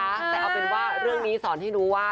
แต่เอาเป็นว่าเรื่องนี้สอนให้รู้ว่า